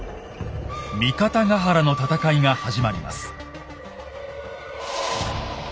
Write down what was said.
「三方ヶ原の戦い」が始まります。